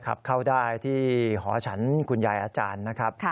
ขับเข้าได้ที่หอฉันคุณยายอาจารย์นะครับ